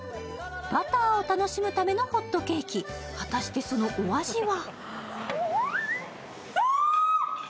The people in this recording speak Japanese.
バターを楽しむためのホットケーキ、果たしてそのお味は？